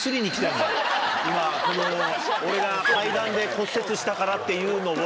今この俺が階段で骨折したからっていうのを。